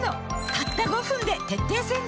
たった５分で徹底洗浄